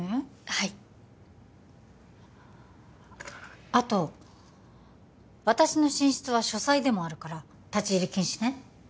はいあと私の寝室は書斎でもあるから立ち入り禁止ね